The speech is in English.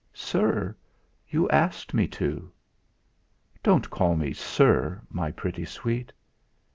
"Sir, you asked me to." "Don't call me 'sir,' my pretty sweet."